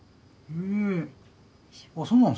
うん。